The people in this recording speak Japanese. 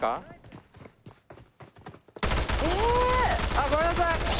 あっごめんなさい！